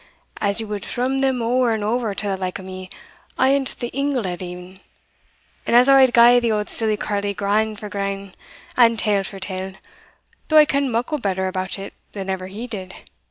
as he wad thrum them ower and ower to the like o' me ayont the ingle at e'en, and as I wad gie the auld silly carle grane for grane, and tale for tale, though I ken'd muckle better about it than ever he did.